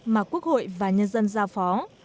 mà quốc hội và nhân dân giao phó